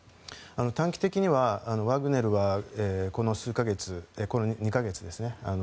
短期的にはワグネルはこの数か月、２か月ですね。